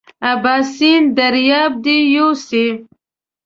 اباسین دریاب دې یوسي.